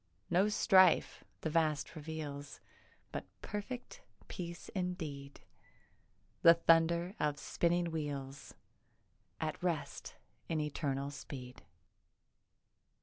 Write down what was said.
No strife the vast reveals But perfect peace indeed— The thunder of spinning wheels At rest in eternal speed.